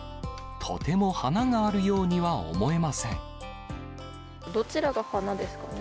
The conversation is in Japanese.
とても花があるようには思えませどちらが花ですかね。